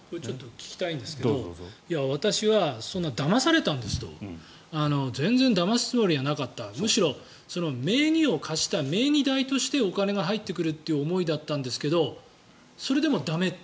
聞きたいんですけど私はだまされたんですと全然だますつもりはなかったむしろその名義を貸した名義代としてお金が入ってくるという思いだったんですけどそれでも駄目？